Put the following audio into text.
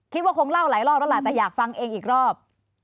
คิดว่าคงเล่าหลายรอบแล้วล่ะแต่อยากฟังเองอีกรอบ